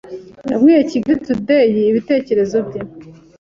yabwiye Kigali Taday ibitekerezo bye